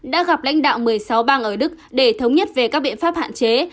đã gặp lãnh đạo một mươi sáu bang ở đức để thống nhất về các biện pháp hạn chế